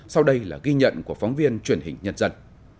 sau đây là ghi nhận của phóng viên truyền hình nhân dân